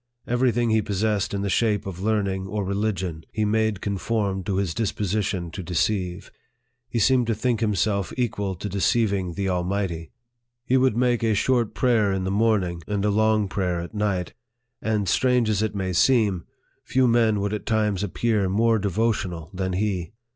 Every thing he possessed in the shape of learning or religion, he made conform to his disposition to deceive. He seemed to think himself equal to deceiving the Almighty. He would make a 63 NARRATIVE OF THE short prayer in the morning, and a long prayer at night ; and, strange as it may seem, few men would at times appear more devotional than he.